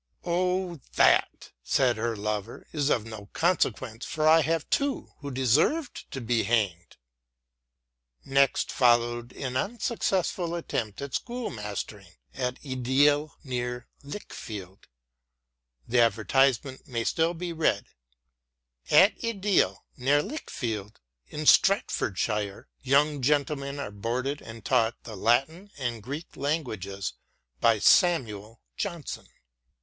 " Oh, that," said her lover, " is of no consequence, for I have two who deserve to be hanged." Next followed an unsuccessful attempt at school mastering at Edial, near Lichfield — the advertise ment may still be read : At Edial, near Lichfield, in Staffordshire, young gentlemen are boarded and taught the Latin and Greek languages by Samuel Johnson.